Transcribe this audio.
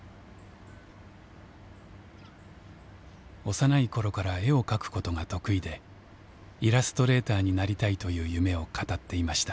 幼い頃から絵を描くことが得意でイラストレーターになりたいという夢を語っていました。